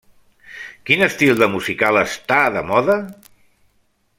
Quin estil de musical està de moda?